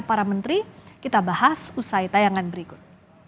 para menteri kita bahas usai tayangan berikut